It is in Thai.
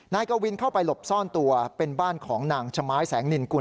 นายกวินเข้าไปหลบซ่อนตัวเป็นบ้านของนางชม้ายแสงนินกุล